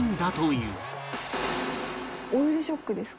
オイルショックですか？